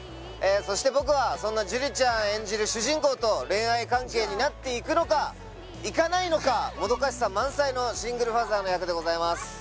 そして僕はそんな樹里ちゃん演じる主人公と恋愛関係になっていくのかいかないのかもどかしさ満載のシングルファザーの役でございます